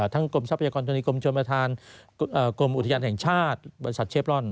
กรมทรัพยากรชนีกรมชนประธานกรมอุทยานแห่งชาติบริษัทเชฟรอน